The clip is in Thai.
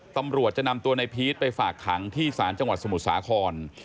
ตำรวจจะนำตัวนายพีชไปฝากขังที่สจสมุทรสาคอน